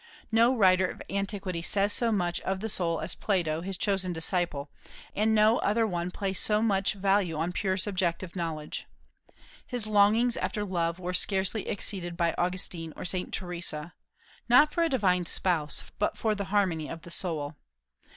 No writer of antiquity says so much of the soul as Plato, his chosen disciple, and no other one placed so much value on pure subjective knowledge. His longings after love were scarcely exceeded by Augustine or St. Theresa, not for a divine Spouse, but for the harmony of the soul.